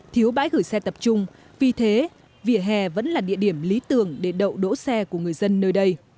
thiếu bãi gửi xe tập trung vì thế vỉa hè vẫn là địa điểm lý tưởng để đậu đỗ xe của người dân nơi đây